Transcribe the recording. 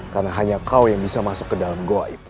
karena hanya kau yang bisa masuk ke dalam goa itu